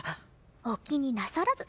お気になさらず。